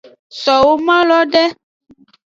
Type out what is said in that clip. So womalo de.